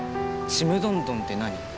ちむどんどんって何？